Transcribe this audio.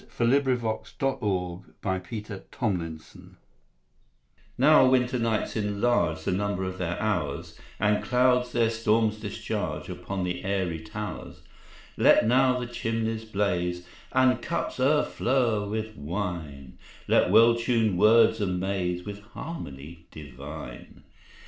Thomas Campion Now Winter Nights Enlarge NOW winter nights enlarge The number of their hours, And clouds their storms discharge Upon the airy towers. Let now the chimneys blaze, And cups o'erflow with wine; Let well tuned words amaze With harmony divine.